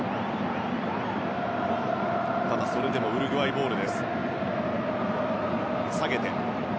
ただ、それでもウルグアイボール。